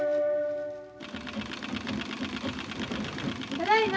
ただいま。